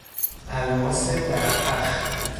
الماس ده پخ